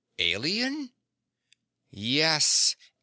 "Alien?" "Yes.